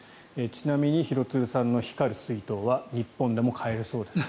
ちなみに廣津留さんの光る水筒は日本でも買えるそうです。